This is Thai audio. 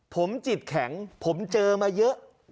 ผมจิตแข็งผมเจอมาเยอะ